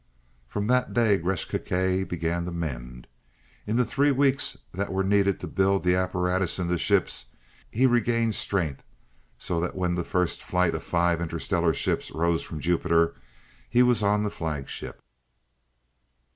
From that day Gresth Gkae began to mend. In the three weeks that were needed to build the apparatus into ships, he regained strength so that when the first flight of five interstellar ships rose from Jupiter, he was on the flagship.